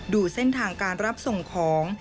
ดูเส้นทางการรับส่งของ